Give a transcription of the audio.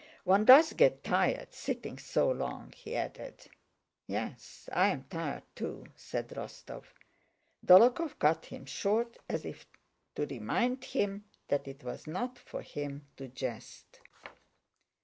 "One does get tired sitting so long," he added. "Yes, I'm tired too," said Rostóv. Dólokhov cut him short, as if to remind him that it was not for him to jest.